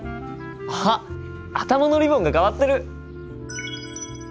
あっ頭のリボンが替わってる！